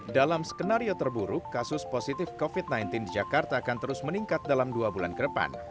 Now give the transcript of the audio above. dalam skenario terburuk kasus positif covid sembilan belas di jakarta akan terus meningkat dalam dua bulan ke depan